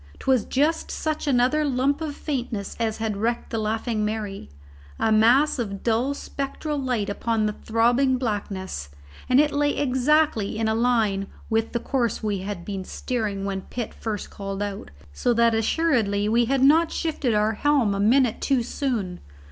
'Twas just such another lump of faintness as had wrecked the Laughing Mary, a mass of dull spectral light upon the throbbing blackness, and it lay exactly in a line with the course we had been steering when Pitt first called out, so that assuredly we had not shifted our helm a minute too soon.